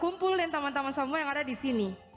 kumpulin teman teman semua yang ada di sini